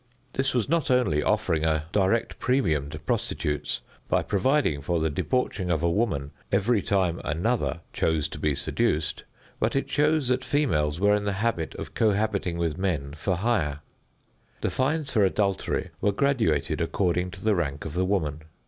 This was not only offering a direct premium to prostitution by providing for the debauching of a woman every time another chose to be seduced, but it shows that females were in the habit of cohabiting with men for hire. The fines for adultery were graduated according to the rank of the woman.